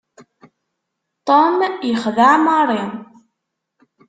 Tom yexdeɛ Mary.